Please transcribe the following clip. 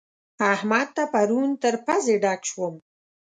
احمد ته پرون تر پزې ډک شوم.